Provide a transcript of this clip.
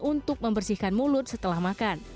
untuk membersihkan mulut setelah makan